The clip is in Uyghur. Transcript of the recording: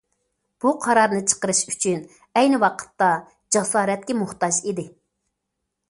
بۇ قارارنى چىقىرىش ئۈچۈن ئەينى ۋاقىتتا جاسارەتكە موھتاج ئىدى.